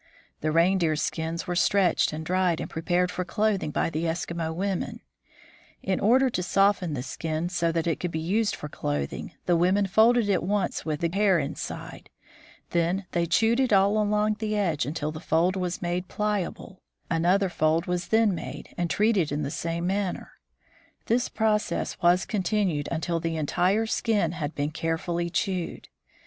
The reindeer skins were stretched and dried and prepared for clothing by the Eskimo women. In order to soften the skin so that it could be used for clothing, the women folded it once with the hair inside. Then they chewed it all along the edge until the fold was made pliable. Another fold was then made, and treated in the same manner. This process was continued until the entire skin had been carefully chewed.